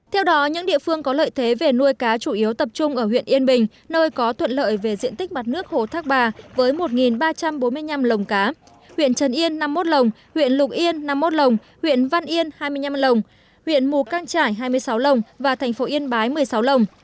theo đó những địa phương có lợi thế về nuôi cá chủ yếu tập trung ở huyện yên bình nơi có thuận lợi về diện tích mặt nước hồ thác bà với một ba trăm bốn mươi năm lồng cá huyện trần yên năm mươi một lồng huyện lục yên năm mươi một lồng huyện văn yên hai mươi năm lồng huyện mù căng trải hai mươi sáu lồng và thành phố yên bái một mươi sáu lồng